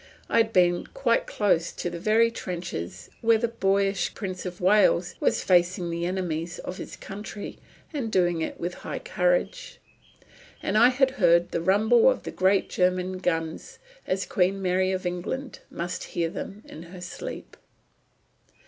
I had been quite close to the very trenches where the boyish Prince of Wales was facing the enemies of his country and doing it with high courage. And I had heard the rumble of the great German guns, as Queen Mary of England must hear them in her sleep.